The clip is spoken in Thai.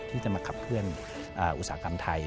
ที่จะมาขับเคลื่อนอุตสาหกรรมไทย